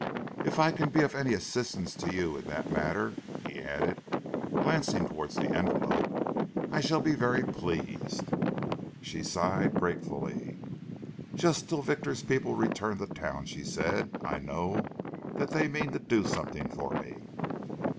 If I can be of any assistance to you in that matter," he added, glancing towards the envelope, "I shall be very pleased." She sighed gratefully. "Just till Victor's people return to town," she said. "I know that they mean to do something for me."